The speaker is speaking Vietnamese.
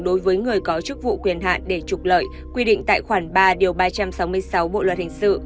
đối với người có chức vụ quyền hạn để trục lợi quy định tại khoản ba điều ba trăm sáu mươi sáu bộ luật hình sự